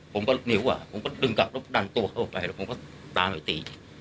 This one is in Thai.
ผมก็นิ้วอ่ะผมก็ดึงกลับแล้วดันตัวเข้าไปแล้วผมก็ตามไปตี